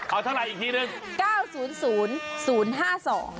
เอาเท่าไหร่อีกทีหนึ่ง